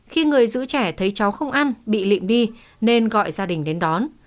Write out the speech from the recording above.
khi người giữ trẻ thấy cháu không ăn bị lịnh đi nên gọi gia đình đến đón